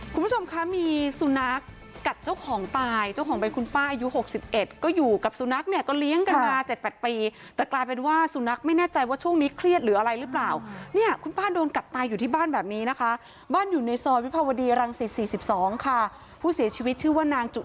คุณผู้ชมคะมีสุนัขกัดเจ้าของตายเจ้าของเป็นคุณป้าอายุหกสิบเอ็ดก็อยู่กับสุนัขเนี่ยก็เลี้ยงกันมาเจ็ดแปดปีแต่กลายเป็นว่าสุนัขไม่แน่ใจว่าช่วงนี้เครียดหรืออะไรหรือเปล่าเนี่ยคุณป้าโดนกัดตายอยู่ที่บ้านแบบนี้นะคะบ้านอยู่ในซอยวิภาวดีรังสิตสี่สิบสองค่ะผู้เสียชีวิตชื่อว่านางจุ